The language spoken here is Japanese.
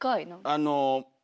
あの。